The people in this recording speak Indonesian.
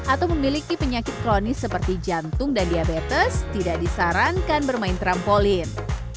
atau memiliki penyakit kronis seperti jantung dan diabetes tidak disarankan bermain trampolin